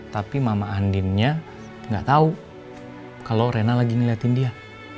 tapi mama andinnya nggak tahu kalau rena lagi ngeliatin dia